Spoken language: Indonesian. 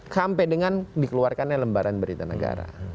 sampai dengan dikeluarkannya lembaran berita negara